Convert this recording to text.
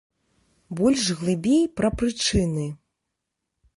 Больш глыбей пра прычыны.